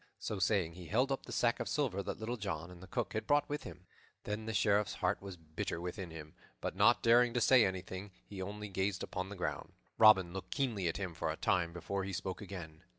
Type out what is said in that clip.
So saying, he held up the sack of silver that Little John and the Cook had brought with them. Then the Sheriff's heart was bitter within him; but, not daring to say anything, he only gazed upon the ground. Robin looked keenly at him for a time before he spoke again.